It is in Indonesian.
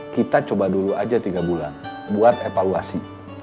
kita coba dulu aja tiga bulan buat evaluasi